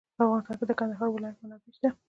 په افغانستان کې د کندهار ولایت منابع شته.